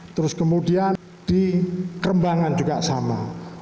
terus kemudian di kerembangan juga sama